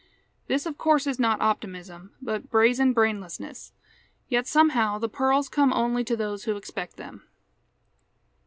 This of course is not optimism, but brazen brainlessness. Yet somehow the pearls come only to those who expect them.